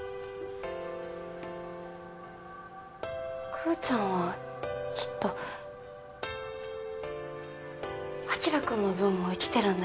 クーちゃんはきっと晶くんの分も生きてるんだよ。